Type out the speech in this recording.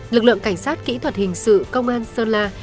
lực lượng cảnh sát kỹ thuật hình sự công an sơn la